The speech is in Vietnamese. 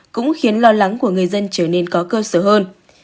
cũng khiến lo lắng của người dân trở nên có cơ sở hơn